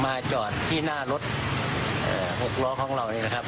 มาจอดที่หน้ารถอ่าหกล้อของเราเนี่ยนะครับ